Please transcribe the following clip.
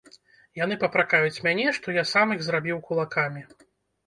Яны папракаюць мяне, што я сам іх зрабіў кулакамі.